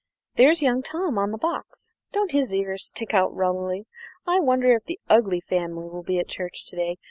There's young Tom on the box; don't his ears stick out rummily? I wonder if the 'ugly family' will be at church to day?